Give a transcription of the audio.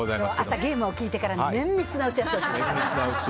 朝ゲームを聞いてから綿密な打ち合わせをしました。